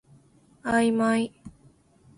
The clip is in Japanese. あいまい